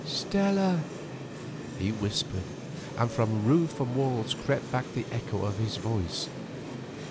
"Stella," he whispered, and from roof and walls crept back the echo of his voice.